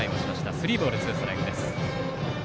スリーボールツーストライクです。